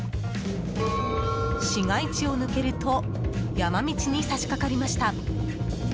市街地を抜けると山道にさしかかりました。